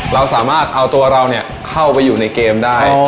เราสามารถเอาตัวเราเข้าไปอยู่ในเกมได้